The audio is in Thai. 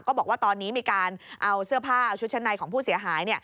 บอกว่าตอนนี้มีการเอาเสื้อผ้าชุดชั้นในของผู้เสียหาย